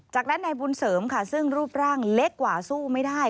จากนั้นนายบุญเสริมค่ะซึ่งรูปร่างเล็กกว่าสู้ไม่ได้